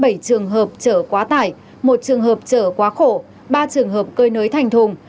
hai mươi bảy trường hợp chở quá tải một trường hợp chở quá khổ ba trường hợp cơi nới thành thùng